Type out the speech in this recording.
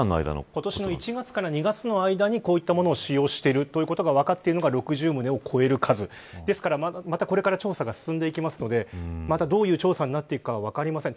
今年の１月から２月の間にこういったことを使用してるのが分かるのが、６０棟を超える数ですからこれから調査が進んでいくのでどういう調査になっていくか分かりません。